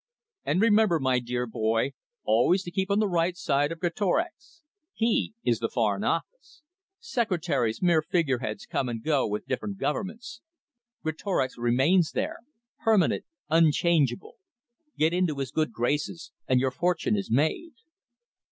"And remember, my dear boy, always to keep on the right side of Greatorex. He is the Foreign Office. Secretaries, mere figure heads, come and go with different Governments. Greatorex remains there, permanent, unchangeable. Get into his good graces, and your fortune is made."